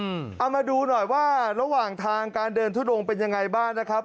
เอามาดูหน่อยว่าระหว่างทางการเดินทุดงเป็นยังไงบ้างนะครับ